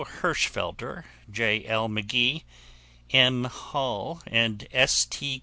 Hirschfelder, J. L. Magee, M. Hull, and S. T.